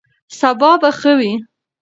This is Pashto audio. سبا به ښه وي.